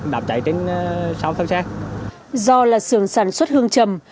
do là sường sản xuất hương trầm